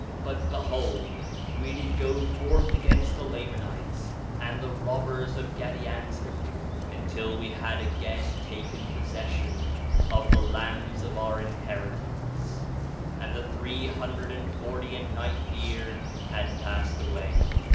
But behold, we did go forth against the Lamanites and the robbers of Gadianton, until we had again taken possession of the lands of our inheritance. 2:28 And the three hundred and forty and ninth year had passed away.